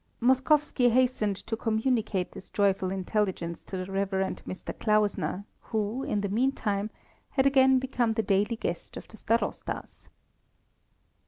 Moskowski hastened to communicate this joyful intelligence to the Rev. Mr. Klausner, who, in the mean time, had again become the daily guest of the Starosta's.